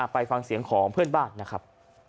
ไปฟังเสียงของเพื่อนบ้านนะครับ